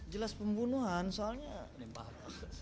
jelas pembunuhan soalnya apalagi kalau peluru